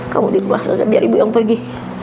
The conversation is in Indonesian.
kamu di rumah saja biar ibu yang pergi